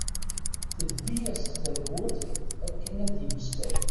Teldi-as-d tawwurt akken ad yemmeslay.